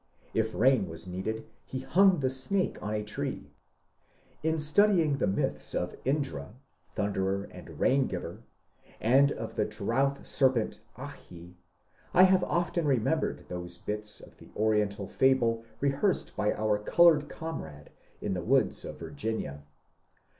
If rain was needed be bung tbe snake on a tree. In studying mytbs of Indra, tbunderer and rain giver, and of tbe droutb serpent Abi, I bave often remembered tbose bits of tbe oriental fable rebearsed by our coloured comrade in tbe woods of Virginia.